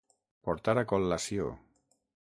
Portar a col·lació.